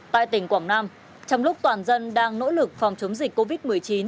tại tỉnh quảng nam trong lúc toàn dân đang nỗ lực phòng chống dịch covid một mươi chín